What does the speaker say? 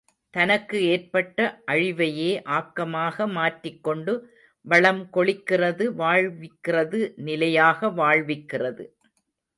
தனக்கு ஏற்பட்ட அழிவையே ஆக்கமாக மாற்றிக் கொண்டு வளம் கொழிக்கிறது வாழ்விக்கிறது நிலையாக வாழ்விக்கிறது.